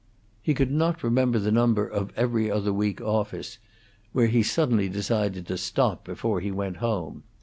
He could not remember the number of 'Every Other Week' office, where he suddenly decided to stop before he went home.